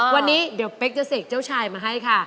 วันนี้เดี๋ยวเป๊กจะเสกเจ้าชายมาให้ค่ะ